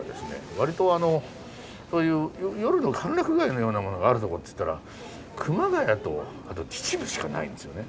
わりとそういう夜の歓楽街のようなものがあるとこっつったら熊谷とあと秩父しかないんですよね。